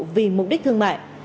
vì mục đích thương mại